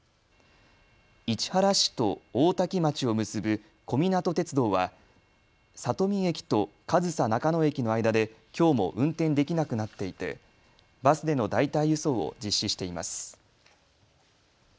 市原市と大多喜町を結ぶ小湊鐵道は里見駅と上総中野駅の間できょうも運転できなくなっていてバスでの代替輸送を実施しています。